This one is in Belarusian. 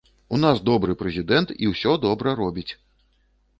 У нас добры прэзідэнт і усе добра робіць.